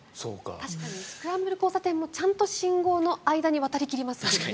確かにスクランブル交差点もちゃんと信号の間に渡り切りますよね。